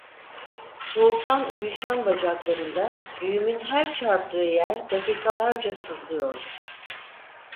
Soğuktan uyuşan bacaklarında, güğümün her çarptığı yer dakikalarca sızlıyordu.